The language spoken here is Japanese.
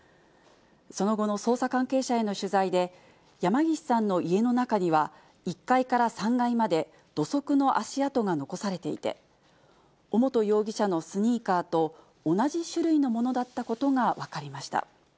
その後の捜査関係者への取材で、山岸さんの家の中には、１階から３階まで土足の足跡が残されていて、尾本容疑者のスニーカーと同じ種類のものだったことが分かりました。